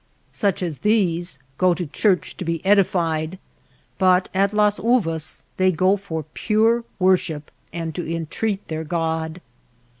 Such as these go to church to be edified, but at y Las Uvas they go for pure worship and to entreat their God.